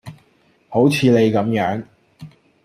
好似你咁樣